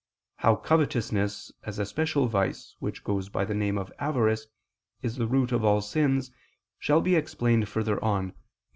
How covetousness, as a special vice, which goes by the name of "avarice," is the root of all sins, shall be explained further on (Q.